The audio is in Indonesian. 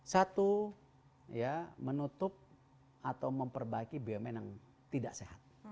satu ya menutup atau memperbaiki bumn yang tidak sehat